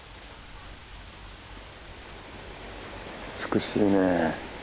美しいね。